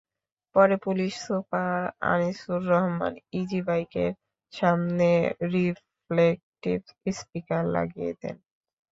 পরে police super Anisur Rahman ইজিবাইকের সামনে রিফ্লেকটিভ স্টিকার লাগিয়ে দেন।